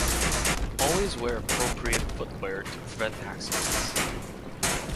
Always wear appropriate footwear to prevent accidents.